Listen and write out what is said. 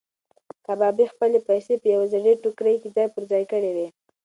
کبابي خپلې پیسې په یوې زړې ټوکرۍ کې ځای پر ځای کړې وې.